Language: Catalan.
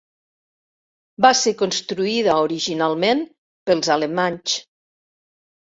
Va ser construïda originalment pels alemanys.